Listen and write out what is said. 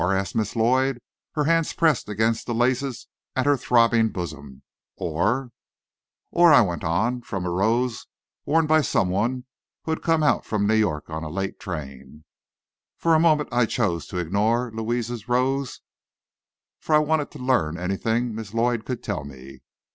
asked Miss Lloyd, her hands pressed against the laces at her throbbing bosom. "Or?" "Or," I went on, "from a rose worn by some one who had come out from New York on a late train." For the moment I chose to ignore Louis's rose for I wanted to learn anything Miss Lloyd could tell me.